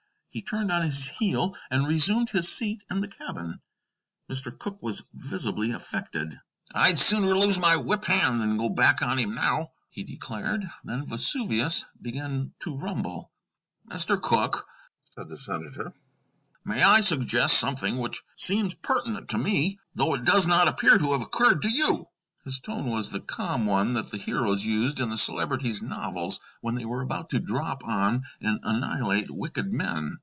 He turned on his heel and resumed his seat in the cabin. Mr. Cooke was visibly affected. "I'd sooner lose my whip hand than go back on him now," he declared. Then Vesuvius began to rumble. "Mr. Cooke," said the senator, "may I suggest something which seems pertinent to me, though it does not appear to have occurred to you?" His tone was the calm one that the heroes used in the Celebrity's novels when they were about to drop on and annihilate wicked men.